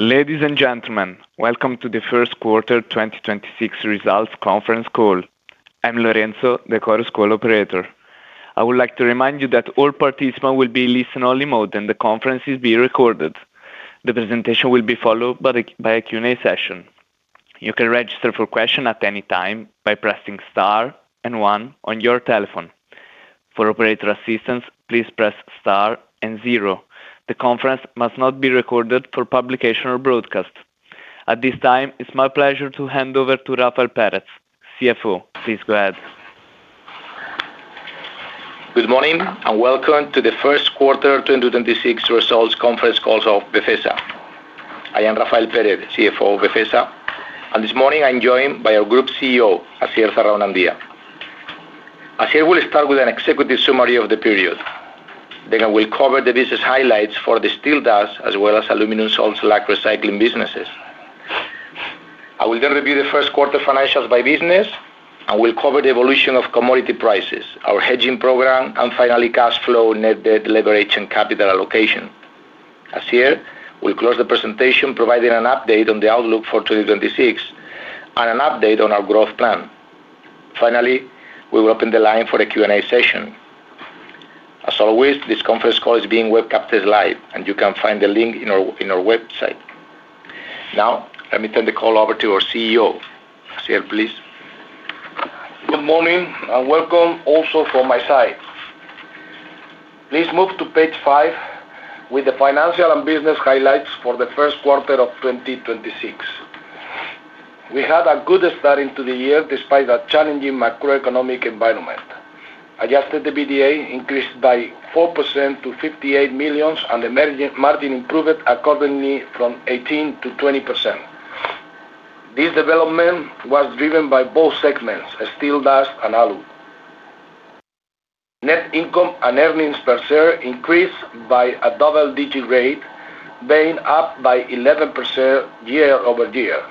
Ladies and gentlemen, welcome to the first quarter 2026 results conference call. I'm Lorenzo, the Chorus Call operator. I would like to remind you that all participants will be listen only mode, and the conference is being recorded. The presentation will be followed by a Q&A session. You can register for question at any time by pressing star one on your telephone. For operator assistance, please press star zero. The conference must not be recorded for publication or broadcast. At this time, it's my pleasure to hand over to Rafael Pérez, CFO. Please go ahead. Good morning, welcome to the Q1 2026 results conference calls of Befesa. I am Rafael Pérez, CFO of Befesa, and this morning I'm joined by our group CEO, Asier Zarraonandia. Asier will start with an executive summary of the period. I will cover the business highlights for the steel dust as well as aluminium salt slag recycling businesses. I will then review the Q1 financials by business and will cover the evolution of commodity prices, our hedging program and finally cash flow, net debt leverage and capital allocation. Asier will close the presentation providing an update on the outlook for 2026 and an update on our growth plan. Finally, we will open the line for a Q&A session. As always, this conference call is being webcast live and you can find the link in our website. Let me turn the call over to our CEO. Asier, please. Good morning and welcome also from my side. Please move to page 5 with the financial and business highlights for the first quarter of 2026. We had a good start into the year despite a challenging macroeconomic environment. Adjusted EBITDA increased by 4% to 58 million and the margin improved accordingly from 18% to 20%. This development was driven by both segments, steel dust and aluminum. Net income and earnings per share increased by a double-digit rate, being up by 11% year-over-year.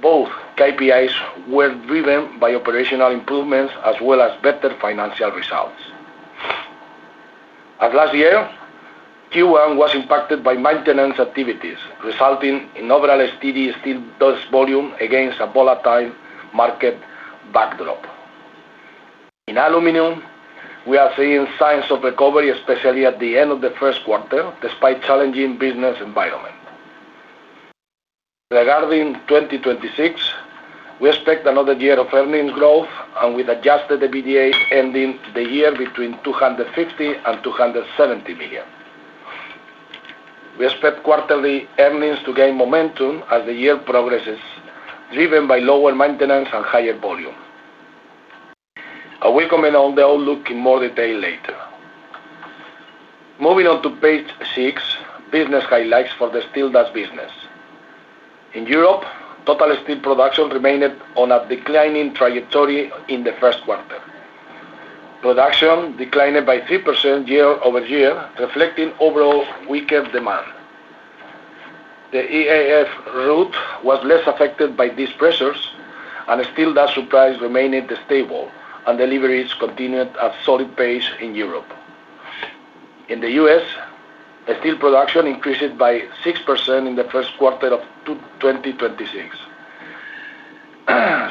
Both KPIs were driven by operational improvements as well as better financial results. As last year, Q1 was impacted by maintenance activities, resulting in overall steady steel dust volume against a volatile market backdrop. In aluminum, we are seeing signs of recovery, especially at the end of the first quarter, despite challenging business environment. Regarding 2026, we expect another year of earnings growth with adjusted EBITDA ending the year between 250 million and 270 million. We expect quarterly earnings to gain momentum as the year progresses, driven by lower maintenance and higher volume. I will comment on the outlook in more detail later. Moving on to page six, business highlights for the steel dust business. In Europe, total steel production remained on a declining trajectory in Q1. Production declined by 3% year-over-year, reflecting overall weaker demand. The EAF route was less affected by these pressures and steel dust supplies remained stable and deliveries continued at solid pace in Europe. In the U.S., steel production increased by 6% in Q1 2026.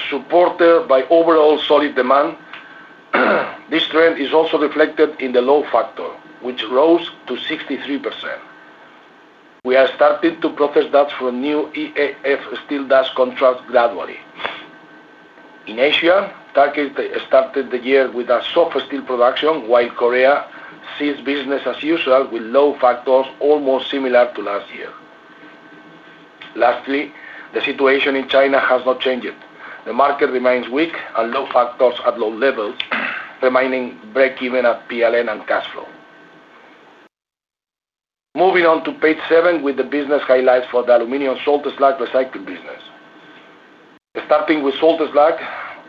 Supported by overall solid demand, this trend is also reflected in the load factor, which rose to 63%. We are starting to process dust from new EAF steel dust contracts gradually. In Asia, Turkey started the year with a soft steel production, while Korea sees business as usual with load factors almost similar to last year. Lastly, the situation in China has not changed. The market remains weak and load factors at low levels, remaining break even at P&L and cash flow. Moving on to page seven with the business highlights for the aluminium salt slag recycling business. Starting with salt slag,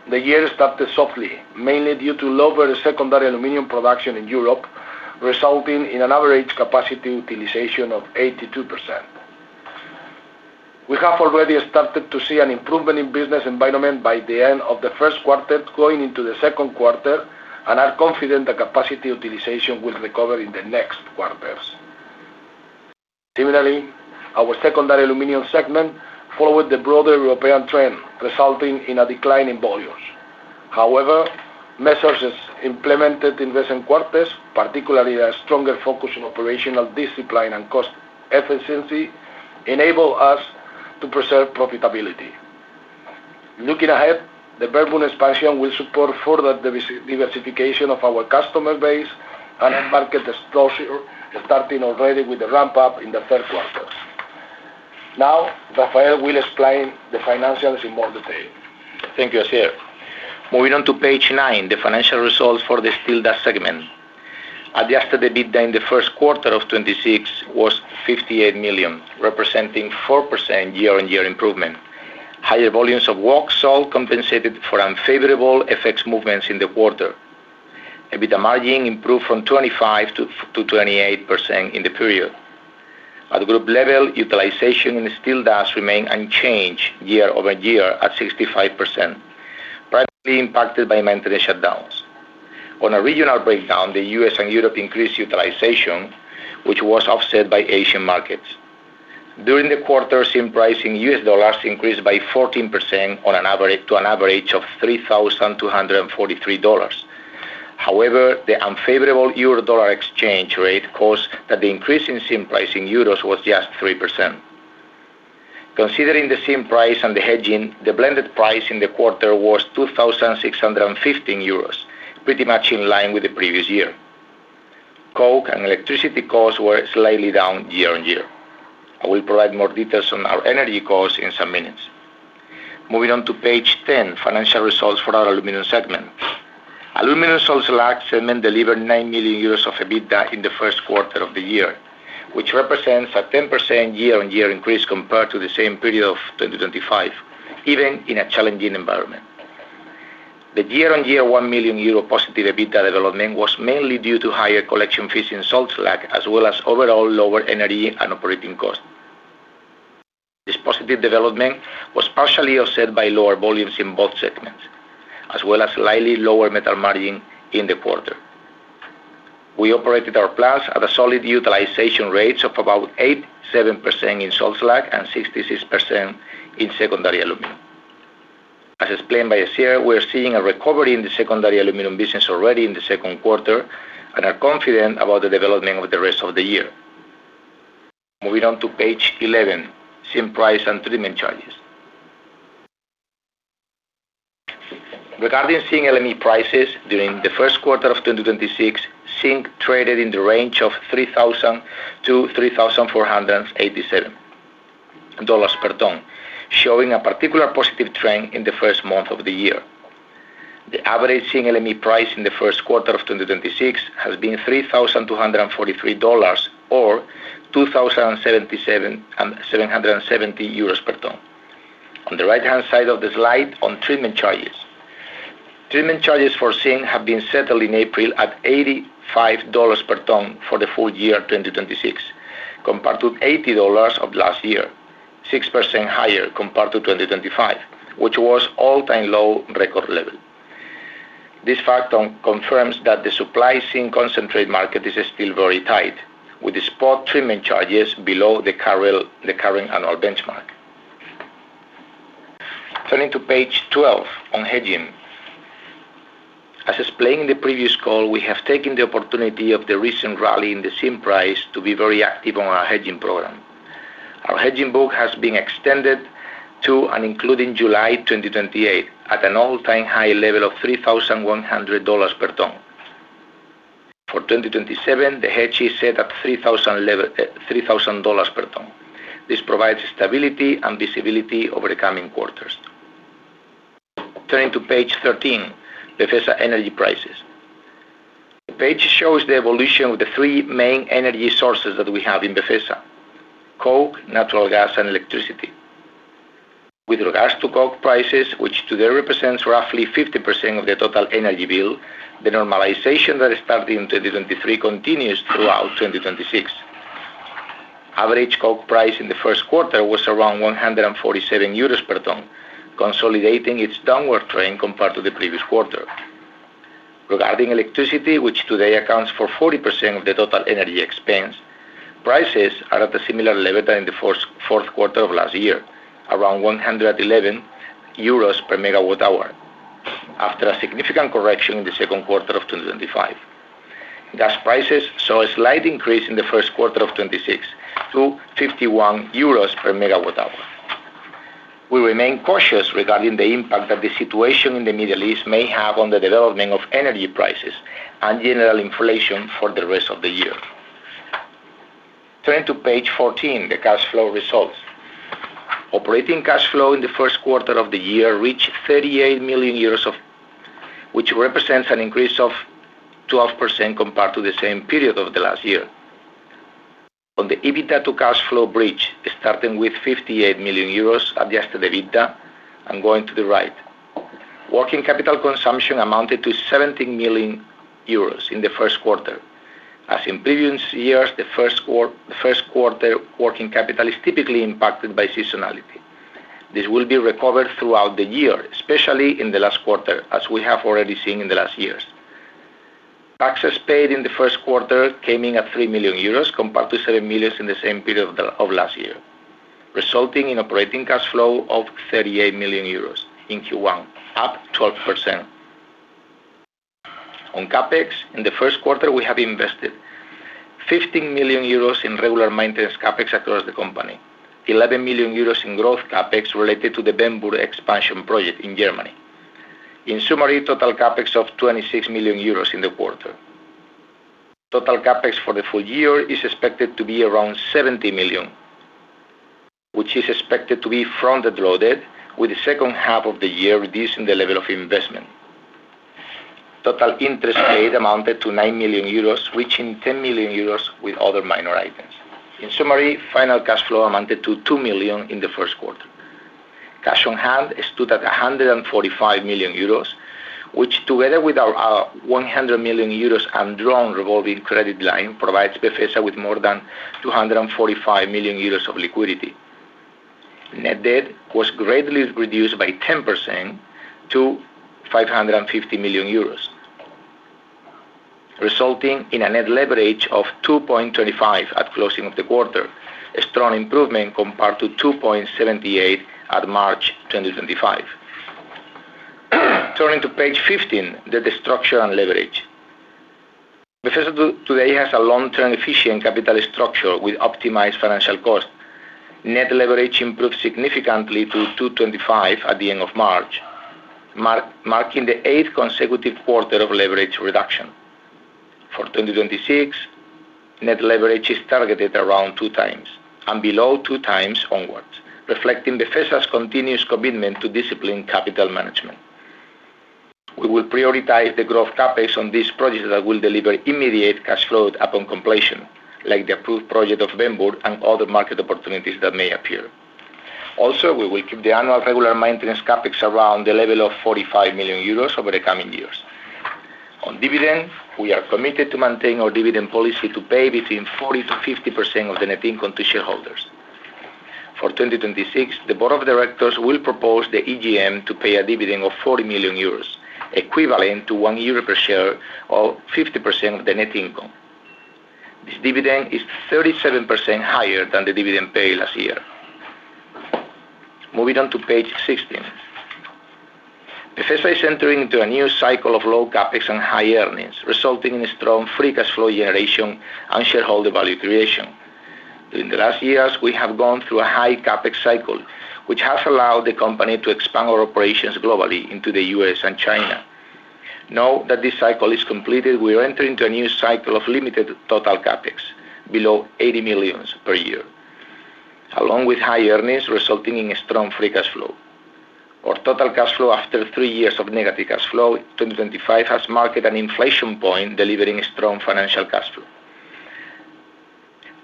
the year started softly, mainly due to lower secondary aluminium production in Europe, resulting in an average capacity utilization of 82%. We have already started to see an improvement in business environment by the end of the first quarter going into the second quarter and are confident the capacity utilization will recover in the next quarters. Similarly, our secondary aluminum segment followed the broader European trend, resulting in a decline in volumes. However, measures implemented in recent quarters, particularly a stronger focus on operational discipline and cost efficiency, enable us to preserve profitability. Looking ahead, the Bernburg expansion will support further diversification of our customer base and end market exposure, starting already with the ramp up in the third quarter. Rafael will explain the financials in more detail. Thank you, Asier. Moving on to page nine, the financial results for the steel dust segment. Adjusted EBITDA in the first quarter of 2026 was 58 million, representing 4% year-on-year improvement. Higher volumes of Waelz salt compensated for unfavorable FX movements in the quarter. EBITDA margin improved from 25% to 28% in the period. At group level, utilization in steel dust remained unchanged year-over-year at 65%, partly impacted by maintenance shutdown. On a regional breakdown, the U.S. and Europe increased utilization, which was offset by Asian markets. During the quarter, zinc price in U.S. dollars increased by 14% to an average of $3,243. The unfavorable Euro dollar exchange rate caused that the increase in zinc price in euros was just 3%. Considering the zinc price and the hedging, the blended price in the quarter was 2,615 euros, pretty much in line with the previous year. Coke and electricity costs were slightly down year-on-year. I will provide more details on our energy costs in some minutes. Moving on to page 10, financial results for our Aluminum segment. Aluminum, Salt Slag segment delivered 9 million euros of EBITDA in the first quarter of the year, which represents a 10% year-on-year increase compared to the same period of 2025, even in a challenging environment. The year-on-year 1 million euro positive EBITDA development was mainly due to higher collection fees in Salt Slag, as well as overall lower energy and operating costs. This positive development was partially offset by lower volumes in both segments, as well as slightly lower metal margin in the quarter. We operated our plants at a solid utilization rates of about 87% in salt slag and 66% in secondary aluminum. As explained by Asier, we are seeing a recovery in the secondary aluminum business already in Q2 and are confident about the development of the rest of the year. Moving on to page 11, zinc price and treatment charges. Regarding zinc LME prices during Q1 2026, zinc traded in the range of $3,000-$3,487 per tonne, showing a particular positive trend in the first month of the year. The average zinc LME price in Q1 2026 has been $3,243 or 2,770 euros per tonne. On the right-hand side of the slide on treatment charges. Treatment charges for zinc have been settled in April at $85 per ton for the full year 2026, compared to $80 of last year, 6% higher compared to 2025, which was all-time low record level. This factor confirms that the supply zinc concentrate market is still very tight, with the spot treatment charges below the current annual benchmark. Turning to page 12 on hedging. As explained in the previous call, we have taken the opportunity of the recent rally in the zinc price to be very active on our hedging program. Our hedging book has been extended to and including July 2028 at an all-time high level of $3,100 per ton. For 2027, the hedge is set at $3,000 level, $3,000 per ton. This provides stability and visibility over the coming quarters. Turning to page 13, Befesa energy prices. The page shows the evolution of the three main energy sources that we have in Befesa: coke, natural gas, and electricity. With regards to coke prices, which today represents roughly 50% of the total energy bill, the normalization that started in 2023 continues throughout 2026. Average coke price in the first quarter was around 147 euros per ton, consolidating its downward trend compared to the previous quarter. Regarding electricity, which today accounts for 40% of the total energy expense, prices are at a similar level than in the fourth quarter of last year, around 111 euros per megawatt hour, after a significant correction in the second quarter of 2025. Gas prices saw a slight increase in the first quarter of 2026 to 51 euros per megawatt hour. We remain cautious regarding the impact that the situation in the Middle East may have on the development of energy prices and general inflation for the rest of the year. Turning to page 14, the cash flow results. Operating cash flow in the first quarter of the year reached 38 million euros, which represents an increase of 12% compared to the same period of the last year. On the EBITDA to cash flow bridge, starting with 58 million euros, adjusted EBITDA, and going to the right. Working capital consumption amounted to 17 million euros in the first quarter. As in previous years, the first quarter working capital is typically impacted by seasonality. This will be recovered throughout the year, especially in the last quarter, as we have already seen in the last years. Taxes paid in the first quarter came in at 3 million euros compared to 7 million in the same period of last year, resulting in operating cash flow of 38 million euros in Q1, up 12%. On CapEx, in the first quarter, we have invested 15 million euros in regular maintenance CapEx across the company, 11 million euros in growth CapEx related to the Bernburg expansion project in Germany. In summary, total CapEx of 26 million euros in the quarter. Total CapEx for the full year is expected to be around 70 million, which is expected to be front-loaded, with the second half of the year reducing the level of investment. Total interest paid amounted to 9 million euros, reaching 10 million euros with other minor items. In summary, final cash flow amounted to 2 million in the first quarter. Cash on hand stood at 145 million euros, which together with our 100 million euros undrawn revolving credit line, provides Befesa with more than 245 million euros of liquidity. Net debt was greatly reduced by 10% to 550 million euros, resulting in a net leverage of 2.25 at closing of the quarter. A strong improvement compared to 2.78 at March 2025. Turning to page 15, the debt structure and leverage. Befesa today has a long-term efficient capital structure with optimized financial cost. Net leverage improved significantly to 2.25 at the end of March, marking the 8th consecutive quarter of leverage reduction. For 2026, net leverage is targeted around 2x and below 2x onwards, reflecting Befesa's continuous commitment to discipline capital management. We will prioritize the growth CapEx on this project that will deliver immediate cash flow upon completion, like the approved project of Bernburg and other market opportunities that may appear. We will keep the annual regular maintenance CapEx around the level of 45 million euros over the coming years. On dividend, we are committed to maintain our dividend policy to pay between 40%-50% of the net income to shareholders. For 2026, the board of directors will propose the AGM to pay a dividend of 40 million euros, equivalent to 1 euro per share or 50% of the net income. This dividend is 37% higher than the dividend paid last year. Moving on to page 16. Befesa is entering into a new cycle of low CapEx and high earnings, resulting in strong free cash flow generation and shareholder value creation. During the last years, we have gone through a high CapEx cycle, which has allowed the company to expand our operations globally into the U.S. and China. Now that this cycle is completed, we are entering into a new cycle of limited total CapEx below 80 million per year, along with high earnings resulting in strong free cash flow. Our total cash flow after three years of negative cash flow in 2025 has marked an inflection point, delivering strong financial cash flow.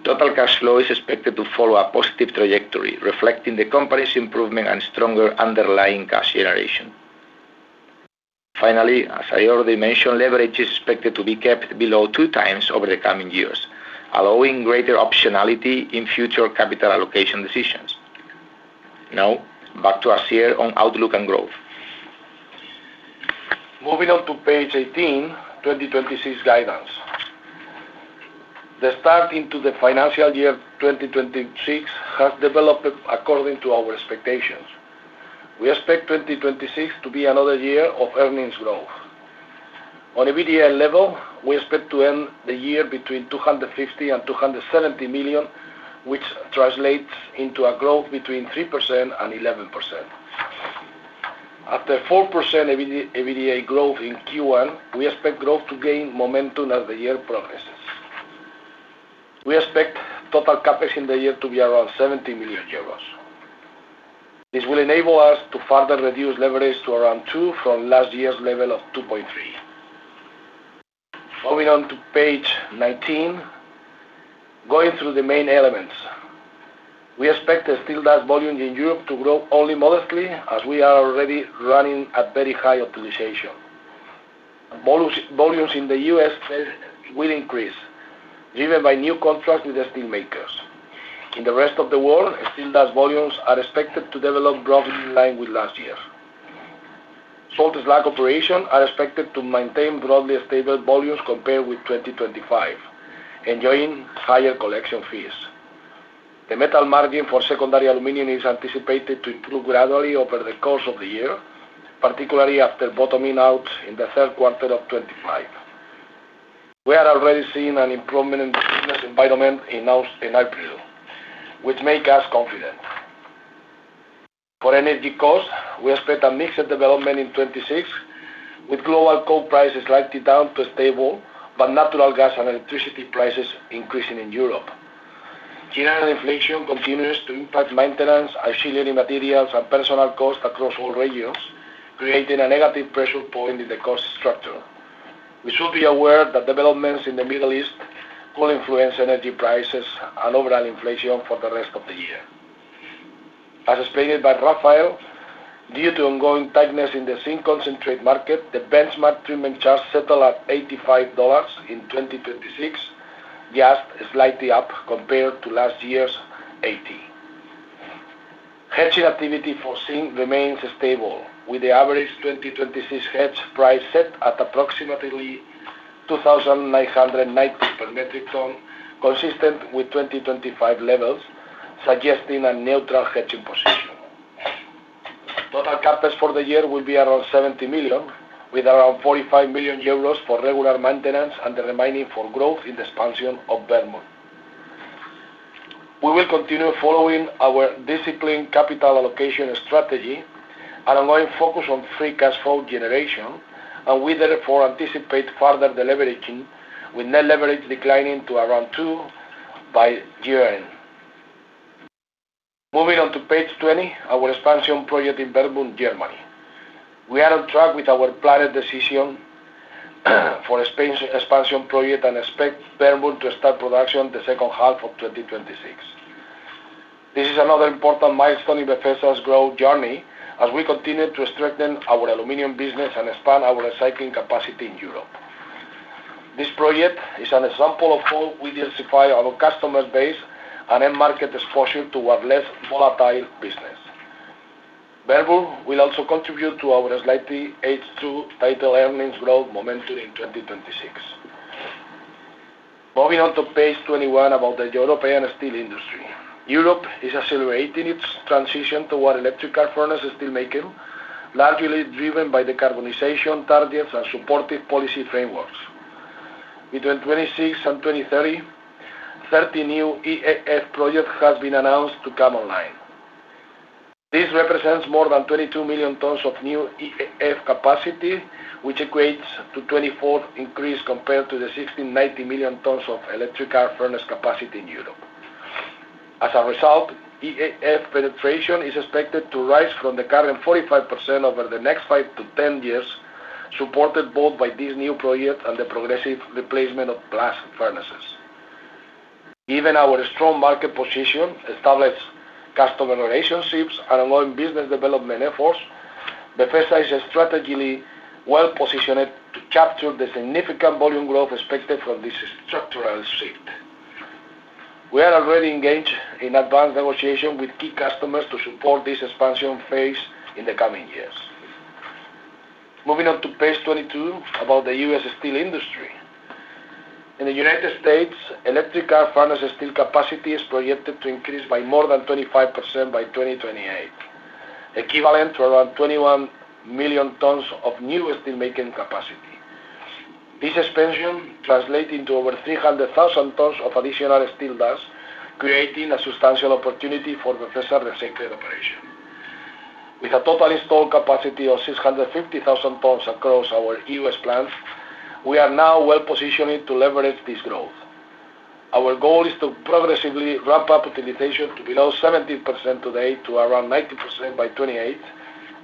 Total cash flow is expected to follow a positive trajectory, reflecting the company's improvement and stronger underlying cash generation. Finally, as I already mentioned, leverage is expected to be kept below two times over the coming years, allowing greater optionality in future capital allocation decisions. Now, back to Asier on outlook and growth. Moving on to page 18, 2026 guidance. The start into the financial year of 2026 has developed according to our expectations. We expect 2026 to be another year of earnings growth. On EBITDA level, we expect to end the year between 250 million and 270 million, which translates into a growth between 3% and 11%. After 4% EBITDA growth in Q1, we expect growth to gain momentum as the year progresses. We expect total CapEx in the year to be around 70 million euros. This will enable us to further reduce leverage to around two from last year's level of 2.3. Moving on to page 19. Going through the main elements. We expect the steel dust volume in Europe to grow only modestly as we are already running at very high optimization. Volumes in the U.S. will increase, driven by new contracts with the steel makers. In the rest of the world, steel dust volumes are expected to develop broadly in line with last year. Salt slag operation are expected to maintain broadly stable volumes compared with 2025, enjoying higher collection fees. The metal margin for secondary aluminum is anticipated to improve gradually over the course of the year, particularly after bottoming out in the third quarter of 2025. We are already seeing an improvement in the business environment in April, which make us confident. For energy cost, we expect a mix of development in 2026, with global coal prices likely down to stable, but natural gas and electricity prices increasing in Europe. General inflation continues to impact maintenance, auxiliary materials, and personal costs across all regions, creating a negative pressure point in the cost structure. We should be aware that developments in the Middle East will influence energy prices and overall inflation for the rest of the year. As explained by Rafael, due to ongoing tightness in the zinc concentrate market, the benchmark treatment charge settled at $85 in 2026, was slightly up compared to last year's $80. Hedging activity for zinc remains stable, with the average 2026 hedge price set at approximately $2,990 per metric ton, consistent with 2025 levels, suggesting a neutral hedging position. Total CapEx for the year will be around 70 million, with around 45 million euros for regular maintenance and the remaining for growth in the expansion of Bernburg. We will continue following our disciplined capital allocation strategy and ongoing focus on free cash flow generation, we therefore anticipate further deleveraging, with net leverage declining to around 2 by year-end. Moving on to page 20, our expansion project in Bernburg, Germany. We are on track with our planned decision for expansion project and expect Bernburg to start production the second half of 2026. This is another important milestone in Befesa's growth journey as we continue to strengthen our aluminum business and expand our recycling capacity in Europe. This project is an example of how we diversify our customer base and end market exposure toward less volatile business. Verbund will also contribute to our slightly H2 earnings growth momentum in 2026. Moving on to page 21 about the European steel industry. Europe is accelerating its transition toward electric arc furnace steel making, largely driven by decarbonization targets and supportive policy frameworks. Between 2026 and 2030, 30 new EAF projects has been announced to come online. This represents more than 22 million tons of new EAF capacity, which equates to a 24% increase compared to the 16.9 million tons of electric arc furnace capacity in Europe. As a result, EAF penetration is expected to rise from the current 45% over the next 5-10 years, supported both by this new project and the progressive replacement of blast furnaces. Given our strong market position, established customer relationships and ongoing business development efforts, Befesa is strategically well-positioned to capture the significant volume growth expected from this structural shift. We are already engaged in advanced negotiation with key customers to support this expansion phase in the coming years. Moving on to page 22 about the U.S. steel industry. In the U.S., electric arc furnace steel capacity is projected to increase by more than 25% by 2028, equivalent to around 21 million tons of new steel making capacity. This expansion translate into over 300,000 tons of additional steel dust, creating a substantial opportunity for Befesa recycling operation. With a total installed capacity of 650,000 tons across our U.S. plants, we are now well-positioned to leverage this growth. Our goal is to progressively ramp up utilization to below 70% today to around 90% by 2028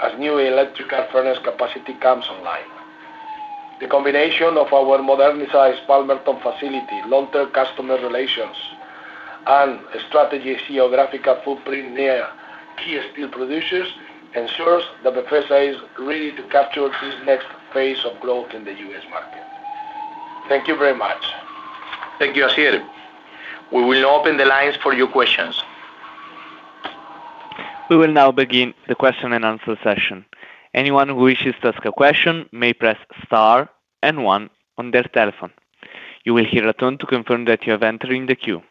as new electric arc furnace capacity comes online. The combination of our modernized Palmerton facility, long-term customer relations and strategic geographical footprint near key steel producers ensures that Befesa is ready to capture this next phase of growth in the U.S. market. Thank you very much. Thank you, Asier. We will open the lines for your questions. We will now begin the question and answer session. Anyone who wishes to ask a question may press star and one on their telephone. You will hear a tone to confirm that you are entering the queue.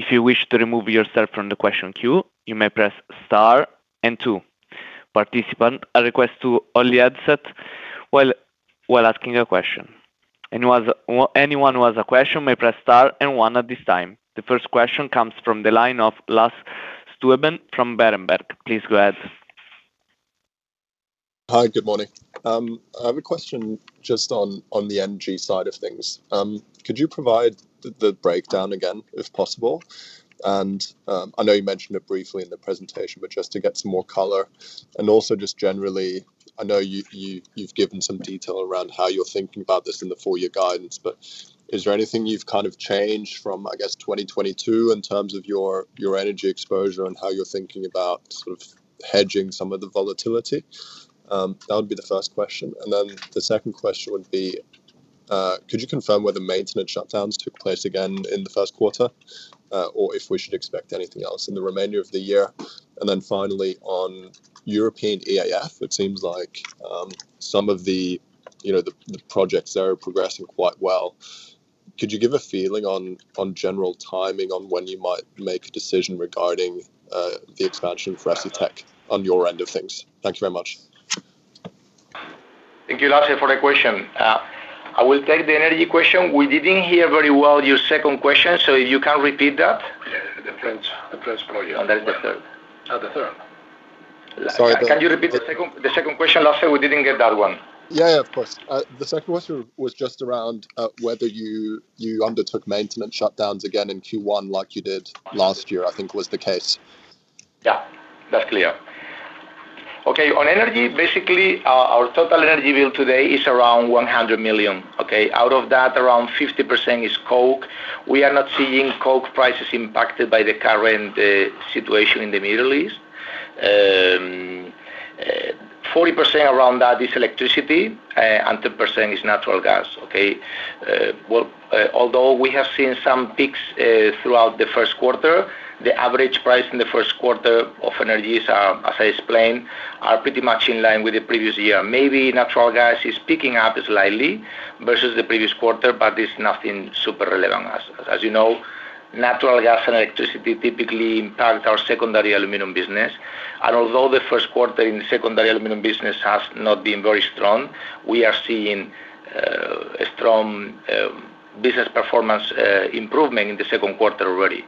If you wish to remove yourself from the question queue, you may press star and two. Participant are request to only answer while asking a question. Anyone who has a question may press star and one at this time. The first question comes from the line of Lasse Stüben from Berenberg. Please go ahead. Hi, good morning. I have a question just on the energy side of things. Could you provide the breakdown again if possible? I know you mentioned it briefly in the presentation, but just to get some more color. Also just generally, I know you've given some detail around how you're thinking about this in the full year guidance, but is there anything you've kind of changed from, I guess, 2022 in terms of your energy exposure and how you're thinking about hedging some of the volatility? That would be the first question. The second question would be, could you confirm whether maintenance shutdowns took place again in the first quarter, or if we should expect anything else in the remainder of the year? Finally, on European EAF, it seems like, you know, some of the projects there are progressing quite well. Could you give a feeling on general timing on when you might make a decision regarding the expansion for Recytech on your end of things? Thank you very much. Thank you, Lasse for the question. I will take the energy question. We didn't hear very well your second question, so if you can repeat that. Yeah. The French, the French project. Oh, that is the third. Oh, the third. Sorry. Can you repeat the second question, Lasse? We didn't get that one. Yeah. Of course. The second question was just around whether you undertook maintenance shutdowns again in Q1 like you did last year, I think was the case. Yeah, that's clear. On energy, basically our total energy bill today is around 100 million. Out of that, around 50% is coke. We are not seeing coke prices impacted by the current situation in the Middle East. 40% around that is electricity and 10% is natural gas. Although we have seen some peaks throughout the first quarter, the average price in the first quarter of energies are, as I explained, pretty much in line with the previous year. Maybe natural gas is picking up slightly versus the previous quarter, but it's nothing super relevant. As you know, natural gas and electricity typically impact our secondary aluminum business. Although the first quarter in the secondary aluminum business has not been very strong, we are seeing a strong business performance improvement in the second quarter already.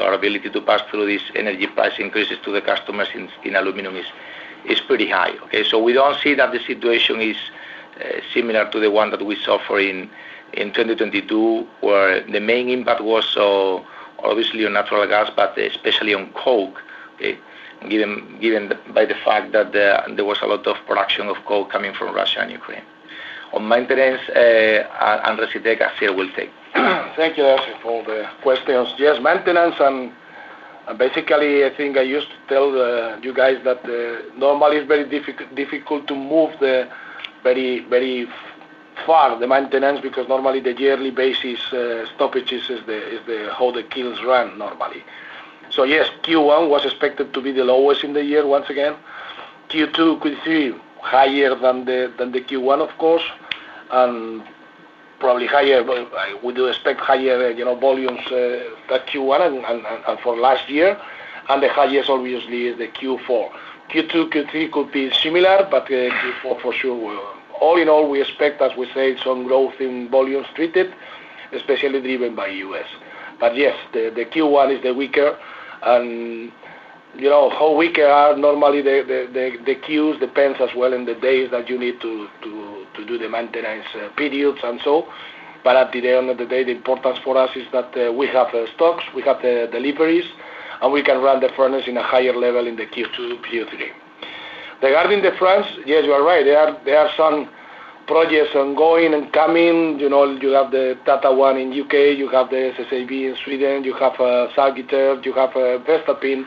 Our ability to pass through these energy price increases to the customers in aluminum is pretty high. We don't see that the situation is similar to the one that we saw for in 2022, where the main impact was obviously on natural gas, but especially on coke, given by the fact that there was a lot of production of coke coming from Russia and Ukraine. On maintenance and recytech, Asier will take. Thank you, Lasse, for all the questions. Yes, maintenance and basically, I think I used to tell you guys that normally it's very difficult to move very, very far the maintenance because normally the yearly basis stoppages is the how the kilns run normally. Yes, Q1 was expected to be the lowest in the year once again. Q2, Q3, higher than the Q1 of course, and probably higher. I, we do expect higher, you know, volumes than Q1 and for last year, and the highest obviously is the Q4. Q2, Q3 could be similar, Q4 for sure. All in all, we expect, as we say, some growth in volumes treated, especially driven by U.S. Yes, the Q1 is the weaker and, you know, how weak are normally the queues depends as well in the days that you need to do the maintenance periods and so. At the end of the day, the importance for us is that we have the stocks, we have the deliveries, and we can run the furnace in a higher level in the Q2, Q3. Regarding France, yes, you are right. There are some projects ongoing and coming. You know, you have the Tata one in U.K., you have the SSAB in Sweden, you have Salzgitter, you have voestalpine.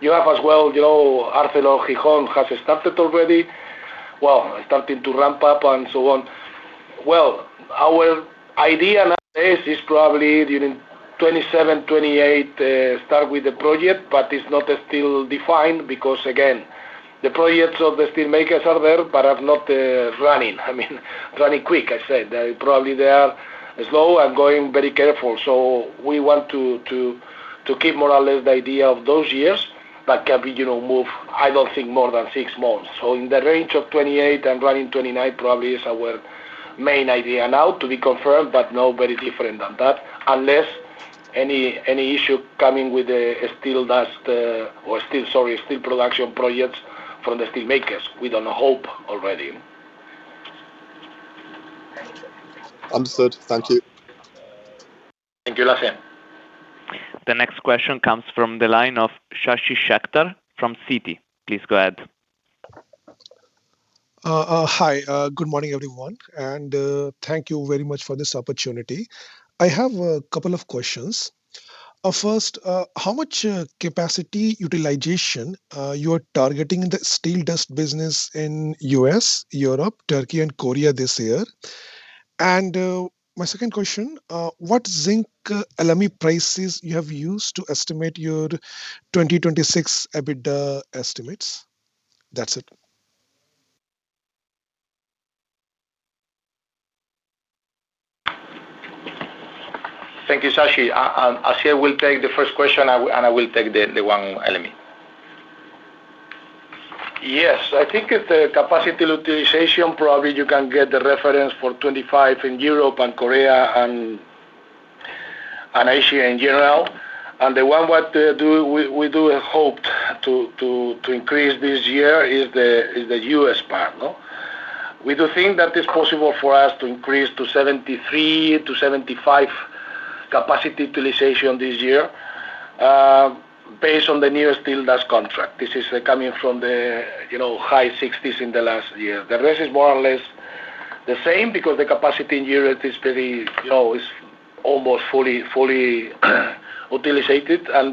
You have as well, you know, ArcelorMittal Gijón has started already. Well, starting to ramp up and so on. Well, our idea now is probably during 2027, 2028, start with the project, but it's not still defined because again, the projects of the steelmakers are there, but are not running. I mean, running quick, I said. Probably they are slow and going very careful. We want to keep more or less the idea of those years, but can be, you know, move, I don't think more than 6 months. In the range of 2028 and running 2029 probably is our main idea now, to be confirmed, but no very different than that. Unless any issue coming with the steel dust or, sorry, steel production projects from the steelmakers. We don't hope already. Understood. Thank you. Thank you, Lasse. The next question comes from the line of Shashi Shekhar from Citi. Please go ahead. Hi. Good morning, everyone. Thank you very much for this opportunity. I have a couple of questions. First, how much capacity utilization you are targeting the steel dust business in the U.S., Europe, Turkey, and Korea this year? My second question, what zinc LME prices you have used to estimate your 2026 EBITDA estimates? That's it. Thank you, Shashi. Asier will take the first question and I will take the one LME. Yes. I think if the capacity utilization, probably you can get the reference for 25 in Europe and Korea and Asia in general. The one what we do hope to increase this year is the U.S. part, no. We do think that it's possible for us to increase to 73-75 capacity utilization this year, based on the new steel dust contract. This is coming from the, you know, high 60s in the last year. The rest is more or less the same because the capacity in Europe is very, you know, is almost fully utilized.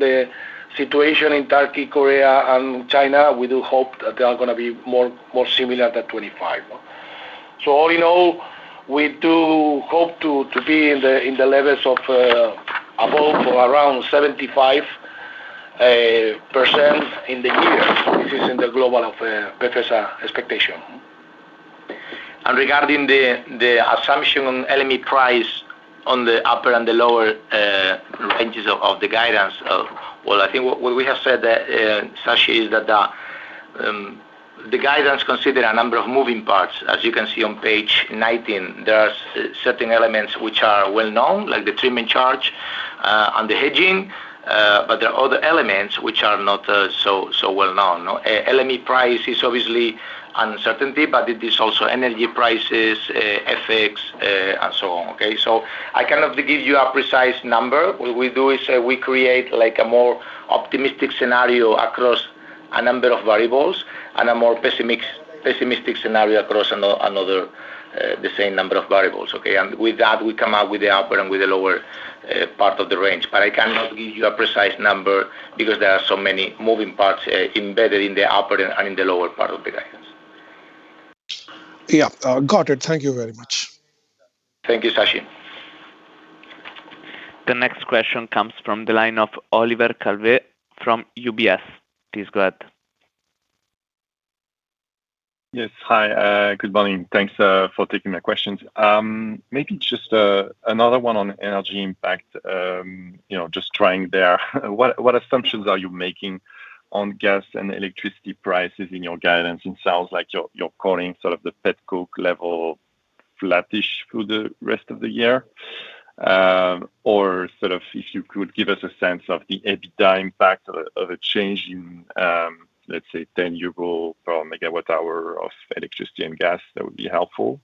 The situation in Turkey, Korea, and China, we do hope that they are gonna be more similar to 25. All in all, we do hope to be in the levels of above or around 75% in the year. This is in the global Befesa expectation. Regarding the assumption on LME price on the upper and the lower ranges of the guidance, I think what we have said, Shashi, is that the guidance considers a number of moving parts. As you can see on page 19, there are certain elements which are well-known, like the treatment charge and the hedging. But there are other elements which are not so well-known. LME price is obviously uncertainty, but it is also energy prices, FX, and so on. I cannot give you a precise number. What we do is, we create like a more optimistic scenario across a number of variables and a more pessimistic scenario across another, the same number of variables, okay. With that, we come out with the upper and with the lower part of the range. I cannot give you a precise number because there are so many moving parts embedded in the upper and in the lower part of the guidance. Yeah. Got it. Thank you very much. Thank you, Shashi. The next question comes from the line of Olivier Calvet from UBS. Please go ahead. Yes. Hi. Good morning. Thanks for taking my questions. Maybe just another one on energy impact. You know, what assumptions are you making on gas and electricity prices in your guidance? It sounds like you're calling sort of the pet coke level flat-ish through the rest of the year. Or sort of if you could give us a sense of the EBITDA impact of a change in, let's say, 10 euro per Megawatt-hour of electricity and gas, that would be helpful.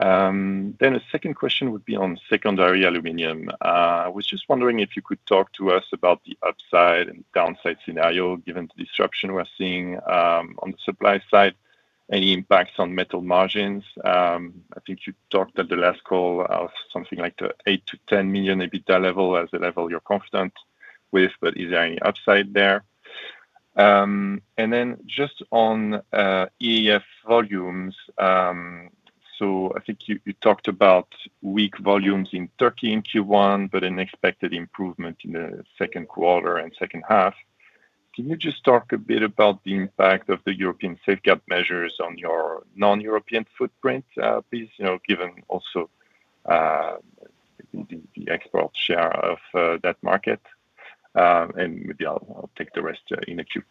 A second question would be on secondary aluminium. I was just wondering if you could talk to us about the upside and downside scenario, given the disruption we're seeing on the supply side. Any impacts on metal margins? I think you talked at the last call of something like the 8 million-10 million EBITDA level as the level you're confident with, but is there any upside there? Just on EAF volumes. I think you talked about weak volumes in Turkey in Q1, but an expected improvement in the second quarter and second half. Can you just talk a bit about the impact of the European safeguard measures on your non-European footprint, please? You know, given also, the export share of that market. Maybe I'll take the rest, in the queue.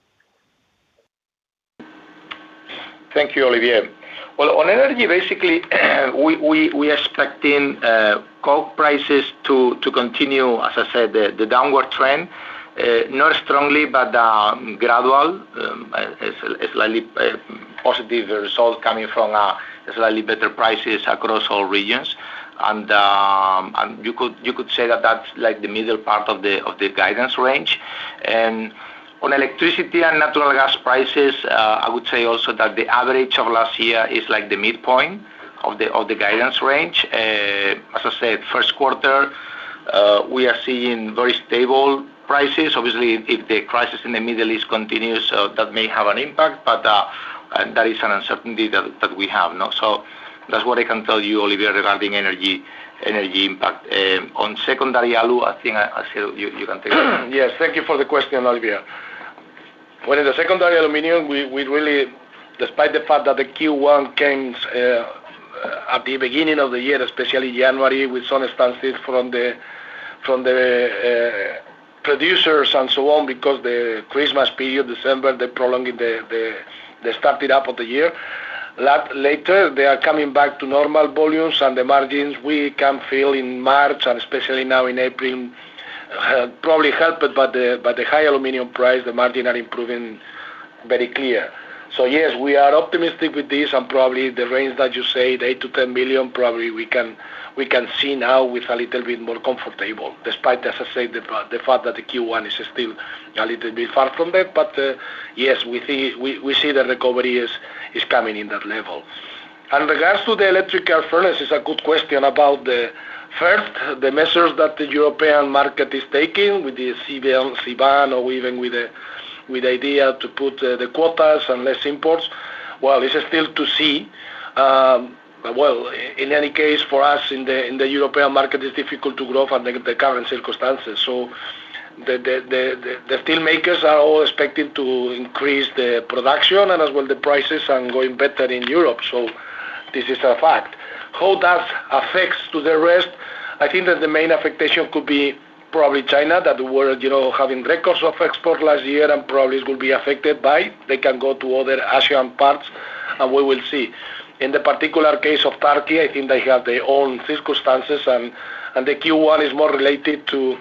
Thank you, Olivier. On energy, basically, we expecting coke prices to continue, as I said, the downward trend, not strongly, but gradual, a slightly positive result coming from slightly better prices across all regions. You could say that that's like the middle part of the guidance range. On electricity and natural gas prices, I would say also that the average of last year is like the midpoint of the guidance range. As I said, first quarter, we are seeing very stable prices. Obviously, if the crisis in the Middle East continues, that may have an impact, but that is an uncertainty that we have, you know. That's what I can tell you, Olivier, regarding energy impact. On secondary alu, I think Asier you can take that. Yes. Thank you for the question, Olivier. Well, in the secondary aluminium, we really, despite the fact that the Q1 came at the beginning of the year, especially January, with some instances from the producers and so on because the Christmas period, December, they prolonging the starting up of the year. Later, they are coming back to normal volumes and the margins we can feel in March and especially now in April, probably helped by the high aluminium price, the margin are improving very clear. Yes, we are optimistic with this and probably the range that you say, the 8 million-10 million, probably we can see now with a little bit more comfortable despite, as I said, the fact that the Q1 is still a little bit far from that. Yes, we see the recovery is coming in that level. Regards to the electric arc furnace, it's a good question about first, the measures that the European market is taking with the CBAM, or even with the idea to put the quotas and less imports. Well, this is still to see. Well, in any case, for us in the European market, it's difficult to grow from the current circumstances. The steel makers are all expecting to increase the production and as well the prices are going better in Europe. This is a fact. How that affects to the rest, I think that the main affectation could be probably China, that were, you know, having records of export last year and probably will be affected by. They can go to other Asian parts, and we will see. In the particular case of Turkey, I think they have their own circumstances and the Q1 is more related to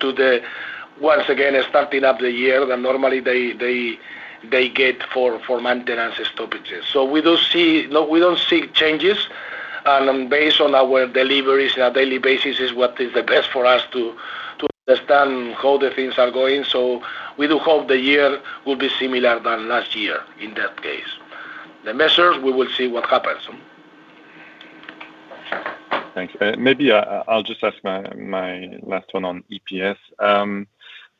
the, once again, starting up the year than normally they get for maintenance stoppages. No, we don't see changes. Based on our deliveries on a daily basis is what is the best for us to understand how the things are going. We do hope the year will be similar than last year in that case. The measures, we will see what happens. Thanks. Maybe I'll just ask my last one on EPS.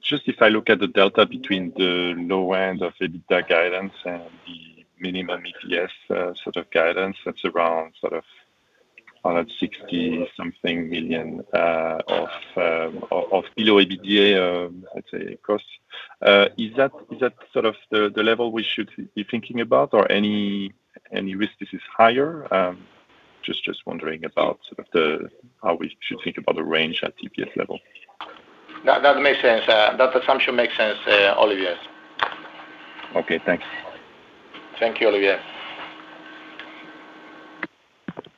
Just if I look at the delta between the low end of EBITDA guidance and the minimum EPS sort of guidance, that's around sort of 160 something million of below EBITDA let's say costs. Is that sort of the level we should be thinking about or any risk this is higher? Just wondering about sort of the how we should think about the range at EPS level. That makes sense. That assumption makes sense, Olivier. Okay, thanks. Thank you, Olivier.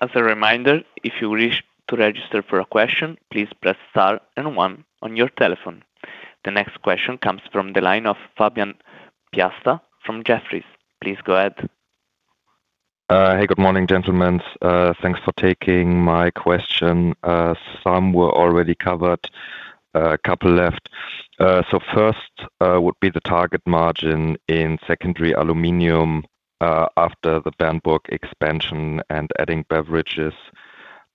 As a reminder, if you wish to register for a question, please press star and one on your telephone. The next question comes from the line of Fabian Piasta from Jefferies. Please go ahead. Hey, good morning, gentlemen. Thanks for taking my question. Some were already covered, a couple left. First, would be the target margin in secondary aluminum, after the Bernburg expansion and adding Befesa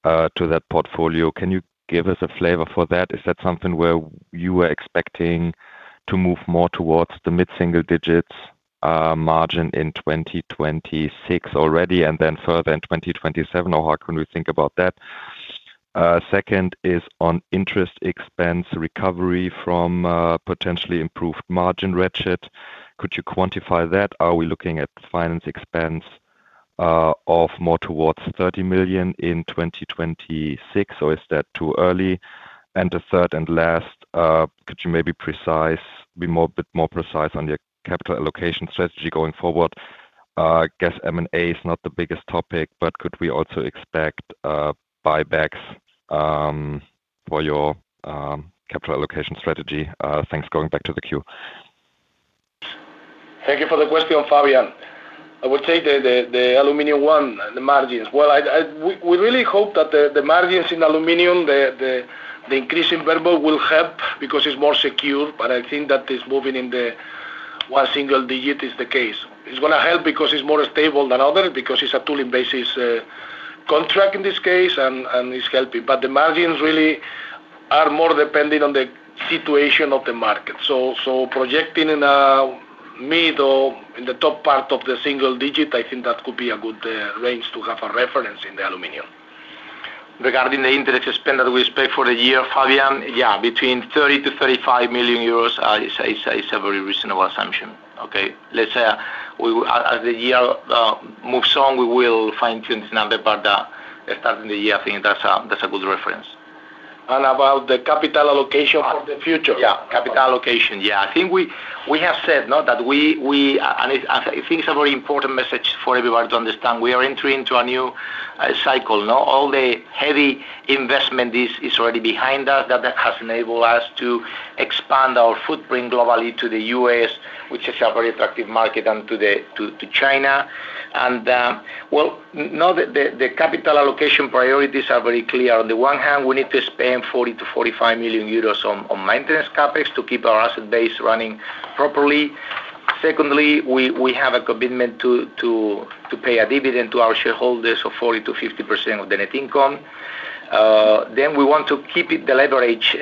to that portfolio. Can you give us a flavor for that? Is that something where you were expecting to move more towards the mid-single digits margin in 2026 already and then further in 2027, or how can we think about that? Second is on interest expense recovery from potentially improved margin ratchet. Could you quantify that? Are we looking at finance expense of more towards 30 million in 2026, or is that too early? The third and last, could you maybe be more, bit more precise on your capital allocation strategy going forward? I guess M&A is not the biggest topic, but could we also expect buybacks for your capital allocation strategy? Thanks. Going back to the queue. Thank you for the question, Fabian. I will take the aluminium one, the margins. Well, we really hope that the margins in aluminium, the increase in Bernburg will help because it's more secure, but I think that is moving in the one single digit is the case. It's gonna help because it's more stable than others because it's a tooling basis contract in this case and it's helping. The margins really are more dependent on the situation of the market. So projecting in a mid or in the top part of the single digit, I think that could be a good range to have a reference in the aluminium. Regarding the interest spent that we spent for the year, Fabian, yeah, between 30 million-35 million euros, I say is a very reasonable assumption, okay? Let's say as the year moves on, we will fine-tune this number, but at start of the year, I think that's a good reference. About the capital allocation for the future. Yeah, capital allocation. Yeah. I think we have said, no, that we. I think it's a very important message for everyone to understand. We are entering into a new cycle, no? All the heavy investment is already behind us. That has enabled us to expand our footprint globally to the U.S., which is a very attractive market, and to China. Well, now the capital allocation priorities are very clear. On the one hand, we need to spend 40 million-45 million euros on maintenance CapEx to keep our asset base running properly. Secondly, we have a commitment to pay a dividend to our shareholders of 40% to 50% of the net income. We want to keep it the leverage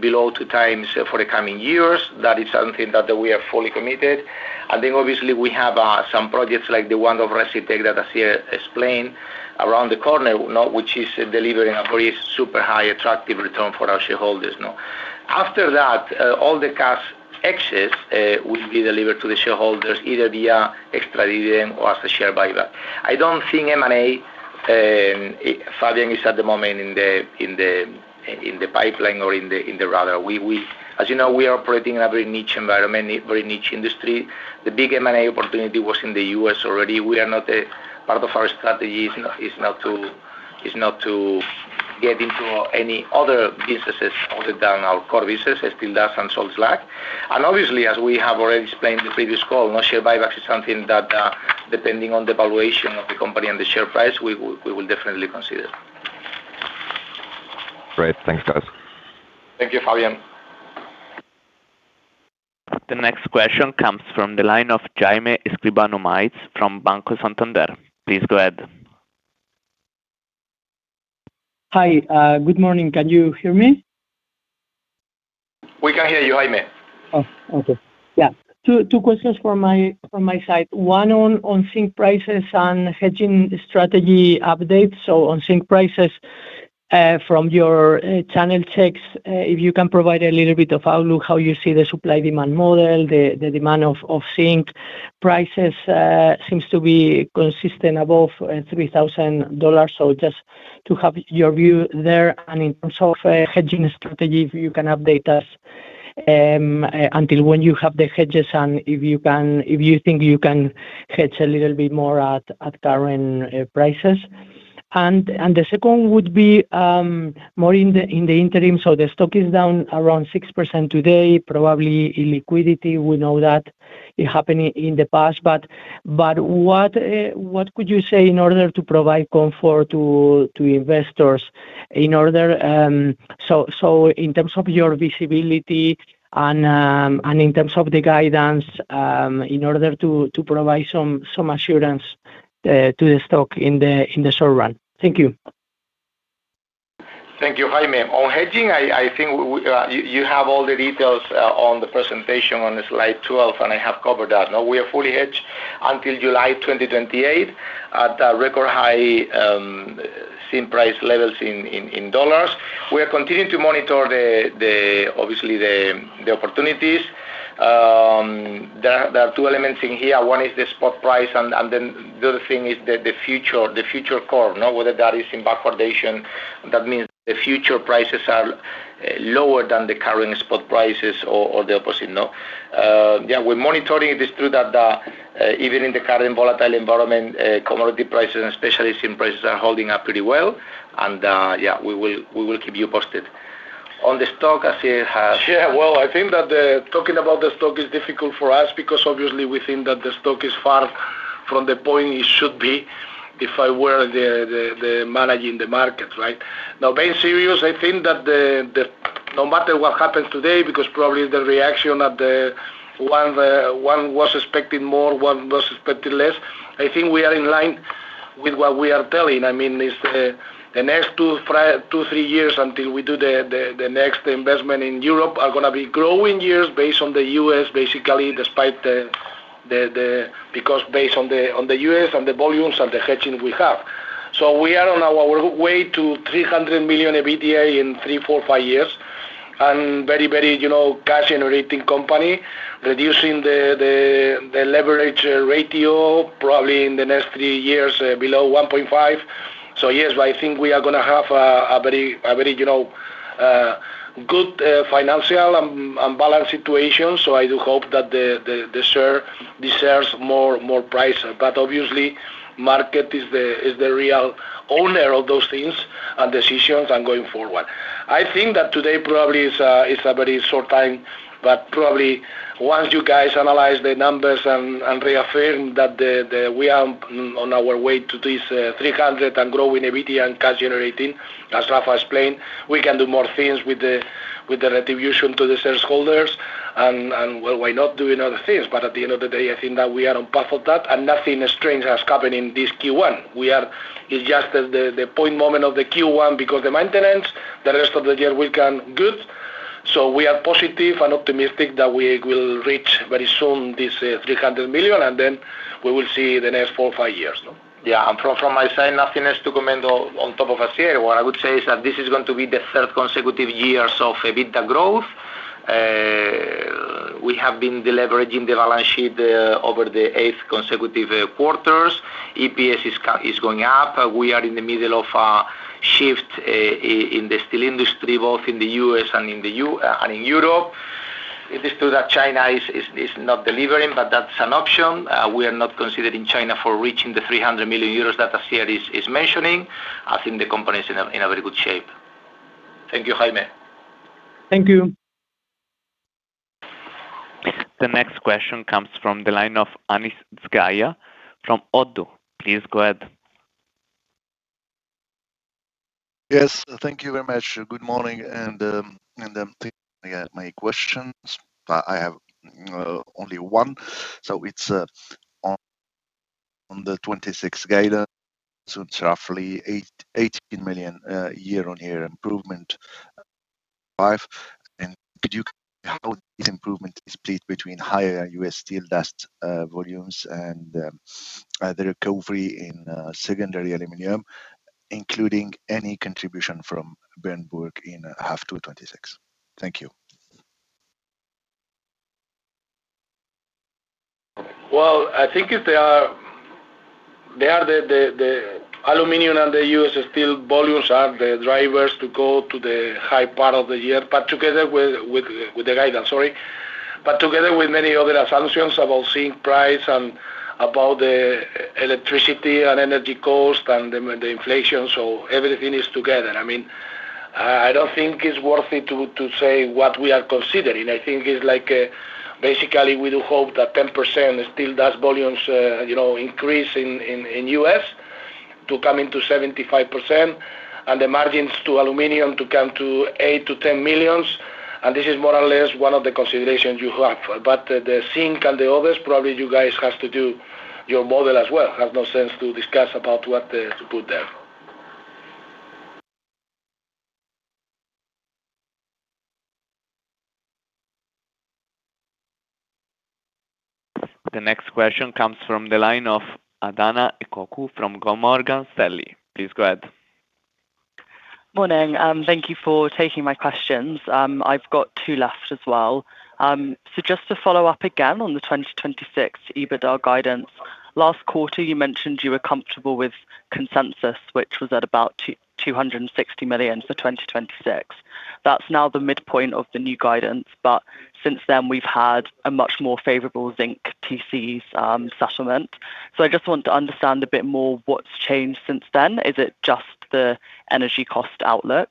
below two times for the coming years. That is something that we are fully committed. Obviously we have some projects like the one of Recytech that Asier explained around the corner, which is delivering a very super high attractive return for our shareholders. After that, all the cash excess will be delivered to the shareholders, either via extra dividend or as a share buyback. I don't think M&A, Fabian, is at the moment in the pipeline or in the radar. As you know, we are operating in a very niche environment, in very niche industry. The big M&A opportunity was in the U.S. already. Part of our strategy is not to get into any other businesses other than our core business, steel dust and salt slag. Obviously, as we have already explained in the previous call, no share buyback is something that, depending on the valuation of the company and the share price, we will definitely consider. Great. Thanks, guys. Thank you, Fabian. The next question comes from the line of Jaime Escribano from Banco Santander. Please go ahead. Hi. good morning. Can you hear me? We can hear you, Jaime. Two questions from my side. One on zinc prices and hedging strategy updates. On zinc prices, from your channel checks, if you can provide a little bit of outlook, how you see the supply-demand model, the demand of zinc prices seems to be consistent above $3,000. Just to have your view there. In terms of hedging strategy, if you can update us until when you have the hedges and if you think you can hedge a little bit more at current prices. The second would be more in the interim. The stock is down around 6% today, probably illiquidity. We know that it happened in the past. What could you say in order to provide comfort to investors in order, in terms of your visibility and in terms of the guidance, in order to provide some assurance to the stock in the short run. Thank you. Thank you, Jaime. On hedging, I think you have all the details on the presentation on slide 12, and I have covered that. Now, we are fully hedged until July 2028 at a record high zinc price levels in USD. We are continuing to monitor the obviously the opportunities. There are two elements in here. One is the spot price, and then the other thing is the future curve, no? Whether that is in backwardation, that means the future prices are lower than the current spot prices or the opposite, no? Yeah, we're monitoring. It is true that even in the current volatile environment, commodity prices, especially zinc prices, are holding up pretty well. Yeah, we will keep you posted. On the stock, Asier. Well, I think that talking about the stock is difficult for us because obviously we think that the stock is far from the point it should be if I were the managing the markets, right? Being serious, I think that no matter what happens today, because probably the reaction at the one was expecting more, one was expecting less. I think we are in line with what we are telling. I mean, it's the next two, three years until we do the next investment in Europe are going to be growing years based on the U.S. basically, despite the, because based on the U.S. and the volumes and the hedging we have. We are on our way to 300 million EBITDA in three, four, five years. Very, very, you know, cash generating company, reducing the leverage ratio probably in the next three years below 1.5. Yes, I think we are gonna have a very, very, you know, good financial and balance situation. I do hope that the share deserves more price. Obviously, market is the real owner of those things and decisions and going forward. I think that today probably is a very short time. Probably once you guys analyze the numbers and reaffirm that we are on our way to this 300 and growing EBITDA and cash generating, as Rafa explained, we can do more things with the retribution to the shareholders and, well, why not doing other things. At the end of the day, I think that we are on path of that, and nothing strange has happened in this Q1. It's just the point moment of the Q1 because the maintenance, the rest of the year we can good. We are positive and optimistic that we will reach very soon this 300 million, and then we will see the next four or five years, no. Yeah. From my side, nothing else to comment on top of Asier. What I would say is that this is going to be the third consecutive years of EBITDA growth. We have been deleveraging the balance sheet over the eighth consecutive quarters. EPS is going up. We are in the middle of a shift in the steel industry, both in the U.S. and in Europe. It is true that China is not delivering, but that's an option. We are not considering China for reaching the 300 million euros that Asier is mentioning. I think the company is in a very good shape. Thank you, Jaime. Thank you. The next question comes from the line of Anis Zgaya from Oddo. Please go ahead. Yes. Thank you very much. Good morning, and thank you for taking my questions. I have only one, so it's on the 2026 guidance. It's roughly EUR 18 million year-on-year improvement 5. Could you how this improvement is split between higher U.S. steel dust volumes and the recovery in secondary aluminum, including any contribution from Bernburg in H2 2026? Thank you. Well, I think if they are, they are the aluminium and the U.S. steel volumes are the drivers to go to the high part of the year, together with the guidance, sorry. Together with many other assumptions about zinc price and about the electricity and energy cost and the inflation, everything is together. I mean, I don't think it's worthy to say what we are considering. I think it's like, basically we do hope that 10% steel dust volumes, you know, increase in U.S. to come into 75% and the margins to aluminium to come to 8 million-10 million, this is more or less one of the considerations you have. The zinc and the others, probably you guys have to do your model as well. Have no sense to discuss about what to put there. The next question comes from the line of Adahna Ekoku from Morgan Stanley. Please go ahead. Morning. Thank you for taking my questions. I've got two left as well. Just to follow up again on the 2026 EBITDA guidance. Last quarter, you mentioned you were comfortable with consensus, which was at about 260 million for 2026. That's now the midpoint of the new guidance. Since then, we've had a much more favorable zinc TC settlement. I just want to understand a bit more what's changed since then. Is it just the energy cost outlook?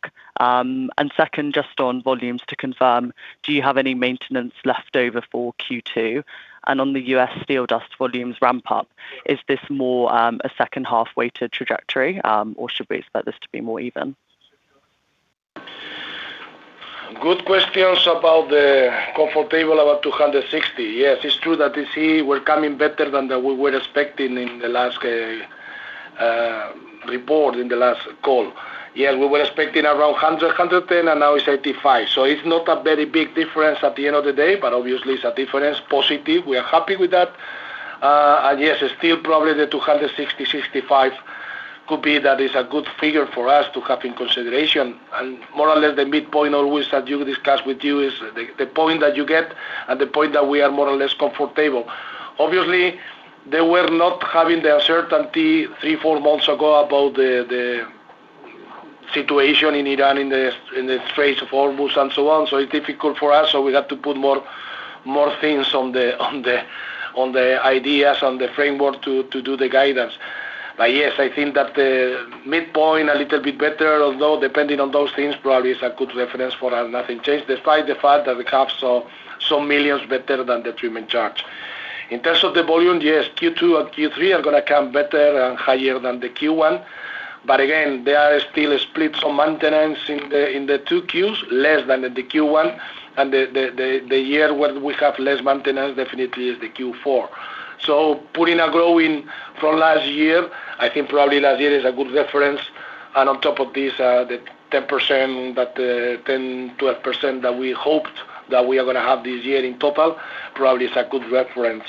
Second, just on volumes to confirm, do you have any maintenance left over for Q2? On the U.S. steel dust volumes ramp up, is this more a second half-weighted trajectory, or should we expect this to be more even? Good questions about the comfortable about 260. Yes, it's true that the TC were coming better than that we were expecting in the last report, in the last call. Yes, we were expecting around 100, 110, and now it's 85. It's not a very big difference at the end of the day, but obviously it's a difference, positive. We are happy with that. Yes, still probably the 260-265 could be that is a good figure for us to have in consideration. More or less, the midpoint always that you discuss with you is the point that you get and the point that we are more or less comfortable. Obviously, they were not having the certainty three, four months ago about the situation in Iran, in the Strait of Hormuz and so on. It's difficult for us, we have to put more things on the ideas, on the framework to do the guidance. Yes, I think that the midpoint a little bit better, although depending on those things, probably is a good reference for us. Nothing changed, despite the fact that we have some millions better than the treatment charge. In terms of the volume, yes, Q2 and Q3 are gonna come better and higher than the Q1. Again, there are still splits on maintenance in the two Qs, less than in the Q1. The year where we have less maintenance definitely is the Q4. Putting a growing from last year, I think probably last year is a good reference. On top of this, the 10%, but 10%-12% that we hoped that we are gonna have this year in total probably is a good reference.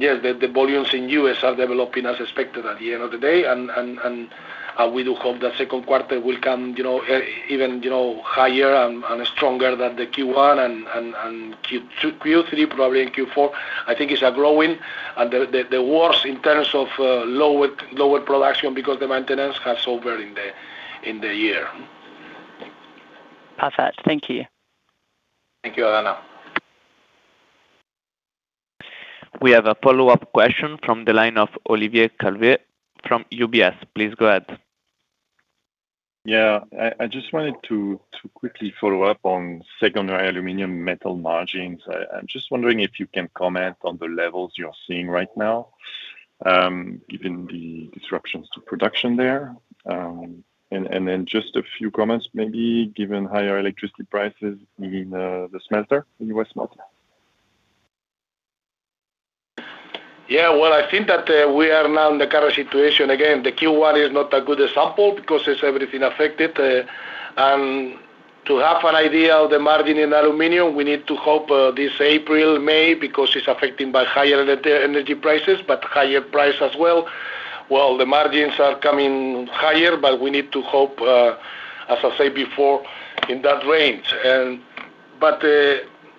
Yes, the volumes in U.S. are developing as expected at the end of the day. We do hope that second quarter will come, you know, even, you know, higher and stronger than the Q1 and Q2, Q3, probably in Q4. I think it's a growing, and the worst in terms of lower production because the maintenance has over in the year. Perfect. Thank you. Thank you, Adahna. We have a follow-up question from the line of Olivier Calvet from UBS. Please go ahead. I just wanted to quickly follow up on secondary aluminium metal margins. I'm just wondering if you can comment on the levels you're seeing right now, given the disruptions to production there. And then just a few comments maybe given higher electricity prices in the smelter, in U.S. smelter. Yeah. Well, I think that we are now in the current situation. Again, the Q1 is not a good example because it's everything affected. To have an idea of the margin in aluminium, we need to hope this April, May, because it's affecting by higher energy prices, but higher price as well. Well, the margins are coming higher, but we need to hope, as I say before, in that range.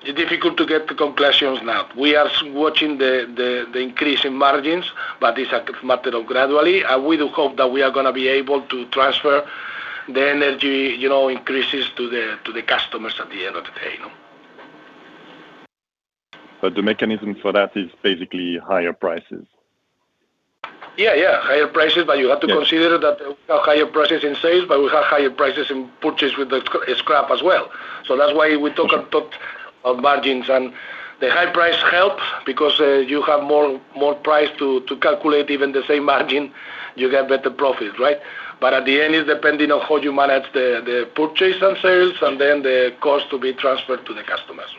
Difficult to get the conclusions now. We are watching the increase in margins, but it's a matter of gradually. We do hope that we are gonna be able to transfer the energy, you know, increases to the customers at the end of the day, no? The mechanism for that is basically higher prices. Yeah, yeah, higher prices. Yeah. You have to consider that we have higher prices in sales, but we have higher prices in purchase with the scrap as well. That's why we talk of margins. The high price helps because you have more price to calculate even the same margin, you get better profits, right? At the end it's depending on how you manage the purchase and sales, and then the cost to be transferred to the customers.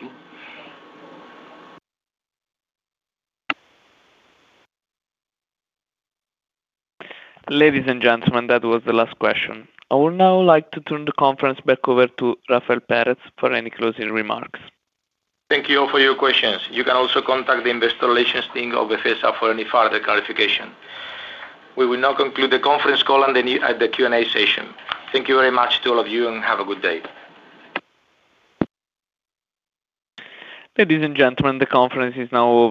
Ladies and gentlemen, that was the last question. I would now like to turn the conference back over to Rafael Pérez for any closing remarks. Thank you all for your questions. You can also contact the investor relations team of Befesa for any further clarification. We will now conclude the conference call and the Q&A session. Thank you very much to all of you, and have a good day. Ladies and gentlemen, the conference is now over.